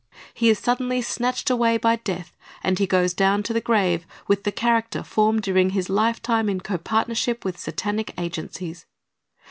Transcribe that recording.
He is suddenly snatched away by death, and he goes down to the grave with the character formed during his lifetime in copartnership with Satanic agencies.